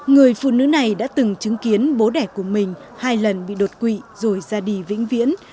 người phụ nữ này đã từng chứng kiến bố đẻ của mình hai lần bị đột quỵ rồi ra đi vĩnh viễn